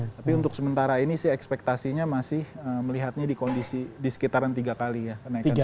tapi untuk sementara ini sih ekspektasinya masih melihatnya di kondisi di sekitaran tiga kali ya